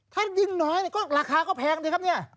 ถ้ายุ่งน้อยราคาก็แพงเลยครับ